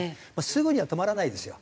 すぐには止まらないですよ。